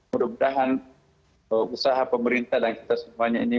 mudah mudahan usaha pemerintah dan kita semuanya ini